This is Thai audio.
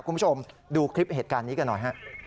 คุณผู้ชมดูคลิปเหตุการณ์นี้กันหน่อยฮะ